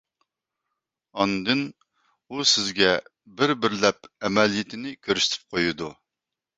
ئاندىن ئۇ سىزگە بىر-بىرلەپ ئەمەلىيىتىنى كۆرسىتىپ قويىدۇ.